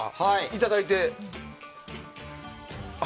いただいて。